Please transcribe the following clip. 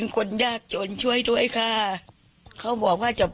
สงสันหนูเนี่ยว่าสงสันหนูเนี่ยมีกระทิแววออกได้จังไหน